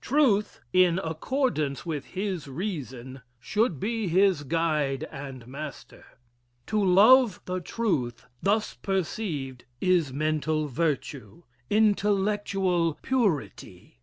Truth, in accordance with his reason, should be his guide and master. To love the truth, thus perceived, is mental virtue intellectual purity.